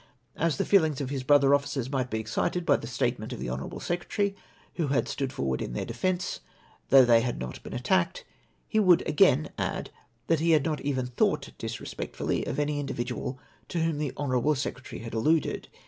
As the feelings of his brother officers might be excited by the statement of the honoiu able secretary who had stood forward in their defence, though they had not been attacked, he would again add, that he had not even thought disrespectfully of any individual to whom the honourable secretary had alluded.